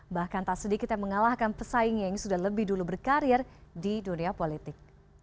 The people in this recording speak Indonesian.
bahkan tak sedikit yang mengalahkan pesaingnya yang sudah lebih dulu berkarir di dunia politik